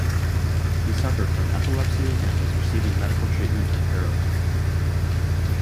He suffered from epilepsy and was receiving medical treatment in Perote.